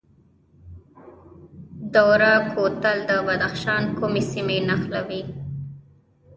دوره کوتل د بدخشان کومې سیمې نښلوي؟